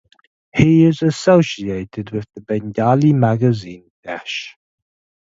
He is associated with the Bengali magazine "Desh".